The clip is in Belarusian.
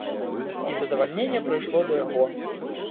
І задаваленне прыйшло да яго.